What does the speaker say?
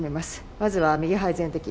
まずは右肺全摘。